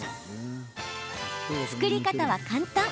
作り方は簡単。